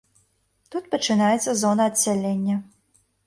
Тут пачынаецца зона адсялення.